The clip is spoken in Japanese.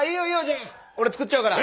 じゃあ俺作っちゃうから。